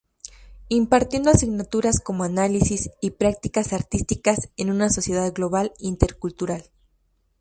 Impartiendo asignaturas como Análisis y practicas artísticas en una sociedad global intercultural.